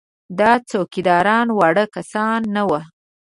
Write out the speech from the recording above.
دا څوکیداران واړه کسان نه وو.